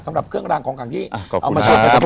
สำหรับเครื่องรางกองกังที่เอามาช่วยขอบคุณนะครับ